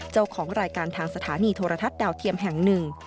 เจ้าของรายการทางสถานีโทรทัศน์ดาวเทียมแห่งหนึ่ง